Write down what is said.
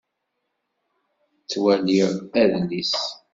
Ttwaliɣ adlis.